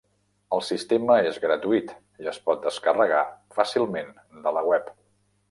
El sistema és gratuït i es pot descarregar fàcilment de la web.